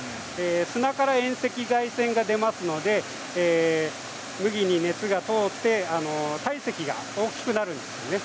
砂から遠赤外線が出ますので麦に熱が通って体積が大きくなるんですね。